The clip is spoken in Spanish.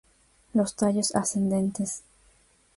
Los tallos ascendentes.